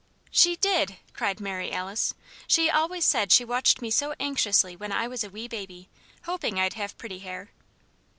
'" "She did!" cried Mary Alice. "She's always said she watched me so anxiously when I was a wee baby, hoping I'd have pretty hair."